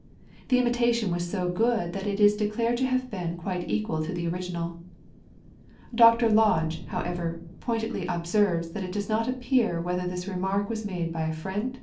The imitation was so good that it is declared to have been quite equal to the original. Dr. Lodge, however, pointedly observes that it does not appear whether this remark was made by a friend or an enemy.